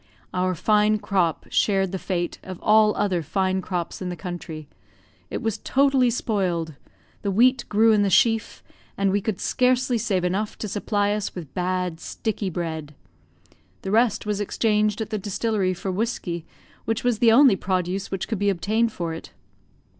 Our fine crop shared the fate of all other fine crops in the country; it was totally spoiled; the wheat grew in the sheaf, and we could scarcely save enough to supply us with bad, sticky bread; the rest was exchanged at the distillery for whiskey, which was the only produce which could be obtained for it.